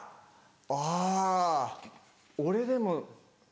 あぁ俺でも。